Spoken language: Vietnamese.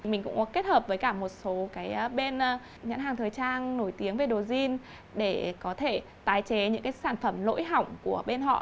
mình cũng có kết hợp với cả một số cái bên nhãn hàng thời trang nổi tiếng về đồ jean để có thể tái chế những cái sản phẩm lỗi hỏng của bên họ